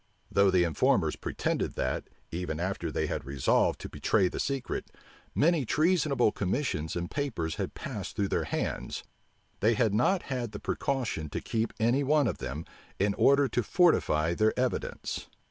Though the informers pretended that, even after they had resolved to betray the secret, many treasonable commissions and papers had passed through their hands, they had not had the precaution to keep any one of them, in order to fortify their evidence.